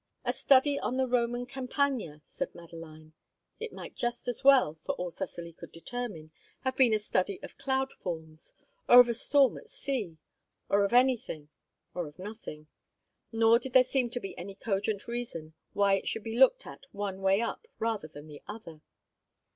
A study on the Roman Campagna, said Madeline. It might just as well, for all Cecily could determine, have been a study of cloud forms, or of a storm at sea, or of anything, or of nothing; nor did there seem to be any cogent reason why it should be looked at one way up rather than the other.